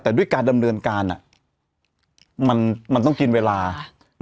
แต่ด้วยการดำเนินการอ่ะมันมันต้องกินเวลา